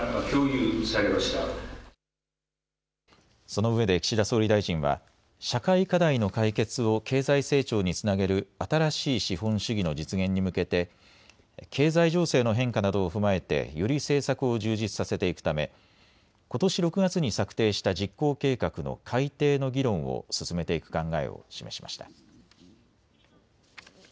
そのうえで岸田総理大臣は社会課題の解決を経済成長につなげる新しい資本主義の実現に向けて経済情勢の変化などを踏まえてより政策を充実させていくためことし６月に策定した実行計画の改定の議論を進めていく考えを示しました。